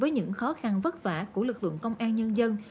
những khó khăn vất vả của lực lượng công an nhân dân